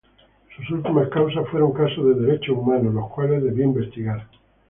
Sus últimas causas fueron casos de derechos humanos los cuales debió investigar.